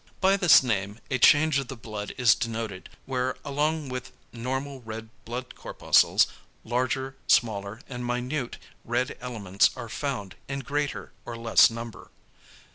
By this name a change of the blood is denoted, where along with normal red blood corpuscles, larger, smaller and minute red elements are found in greater or less number.